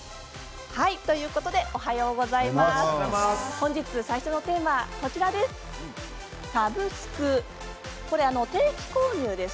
本日、最初のテーマはサブスクです。